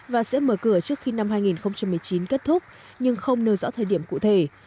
và sẽ mở cửa trước khi năm hai nghìn một mươi chín kết thúc nhưng không nêu rõ thời điểm cụ thể